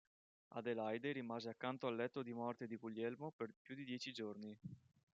Adelaide rimase accanto al letto di morte di Guglielmo per più di dieci giorni.